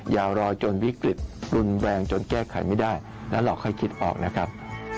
อย่ารอจนวิกฤตรุนแรงจนแก้ไขไม่ได้แล้วเราค่อยคิดออกนะครับ